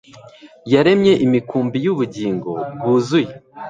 yaremye imikumbi yubugingo bwuzuye